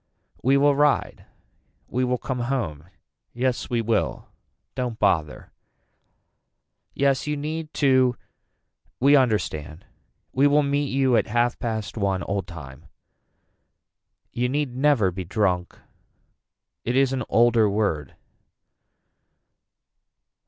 We will ride. We will come home. Yes we will. Don't bother. Yes you need to we understand. We will meet you at half past one old time. You need never be drunk. It is an older word.